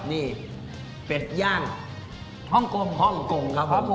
นี่เป็ดย่างห้องกลง